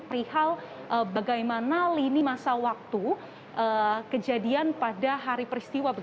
perihal bagaimana lini masa waktu kejadian pada hari peristiwa